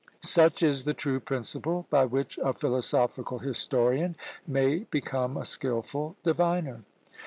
Such is the true principle by which a philosophical historian may become a skilful diviner.